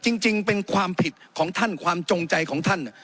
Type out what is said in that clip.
จริงเป็นความผิดของท่านความจงใจของท่าน